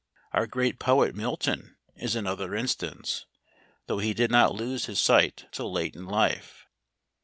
Our great poet Milton is another instance; though he did not lose his sight till late in life.